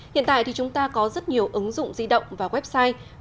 hiện tại thì chúng ta có rất nhiều ứng dụng di động và website